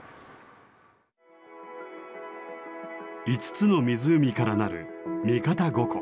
５つの湖からなる三方五湖。